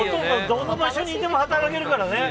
どの場所にいても働けるからね。